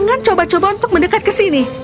jangan coba coba untuk mendekat ke sini